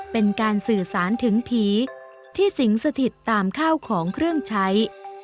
เป็นการสื่อสารถึงผีที่สิงสถิตตามข้าวของเครื่องใช้